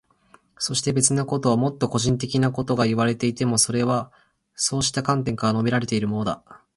そして、別なこと、もっと個人的なことがいわれていても、それはそうした観点から述べられているのだ。